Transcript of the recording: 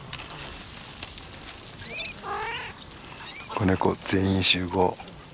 子ネコ全員集合。